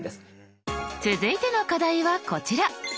続いての課題はこちら！